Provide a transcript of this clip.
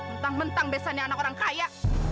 mentang mentang biasanya anak orang kaya